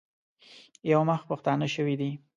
یو مخ پښتانه شوي دي.